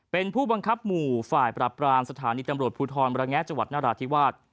เป็นผู้บังคับหมู่ฝ่ายปรับปรามสถานีตำรวจภูทรประแงะจังหวัดนราธิวาส